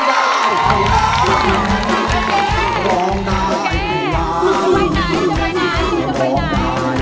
จะไปไหนจะไปไหนจะไปไหน